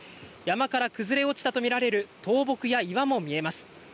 山から崩れ落ちたと見られると倒木や土砂も見えます。